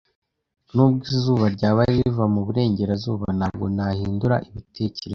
Nubwo izuba ryaba riva mu burengerazuba, ntabwo nahindura ibitekerezo.